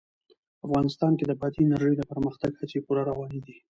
افغانستان کې د بادي انرژي د پرمختګ هڅې پوره روانې دي.